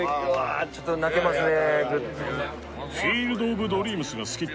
ちょっと泣けますね。